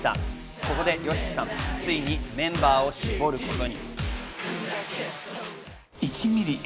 そこでＹＯＳＨＩＫＩさん、ついにメンバーを絞ることに。